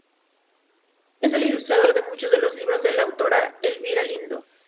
Es el ilustrador de muchos de los libros de la autora Elvira Lindo.